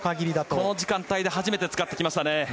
この時間帯で初めて使ってきましたね。